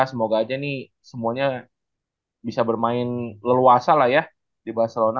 semoga aja ini semuanya bisa bermain leluasa lah ya di barcelona